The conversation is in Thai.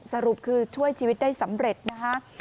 สรุปคือช่วยชีวิตได้สำเร็จนะคะ